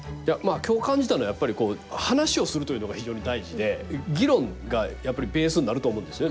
今日感じたのはやっぱりこう話をするというのが非常に大事で議論がやっぱりベースになると思うんですよ。